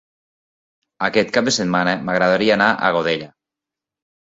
Aquest cap de setmana m'agradaria anar a Godella.